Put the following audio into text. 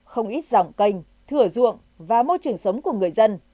không ít dòng canh thửa ruộng và môi trường sống của người dân